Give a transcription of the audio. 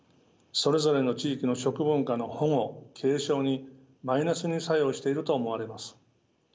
それぞれの地域の食文化の保護・継承にマイナスに作用していると思われます。